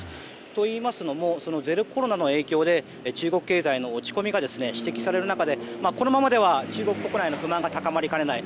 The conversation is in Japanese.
といいますのもゼロコロナの影響で、中国経済の落ち込みが指摘される中でこのままでは中国国内の不満が高まりかねない。